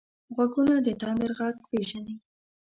غوږونه د تندر غږ پېژني